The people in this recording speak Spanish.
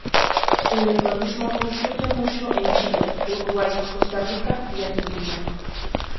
El metodismo influye mucho en Chile, Uruguay, Costa Rica y Argentina.